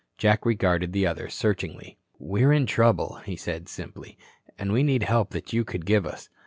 Jack regarded the other searchingly. "We're in trouble," he said, simply, "and we need help that you could give us.